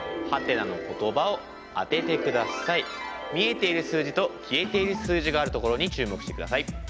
見えている数字と消えている数字があるところに注目してください。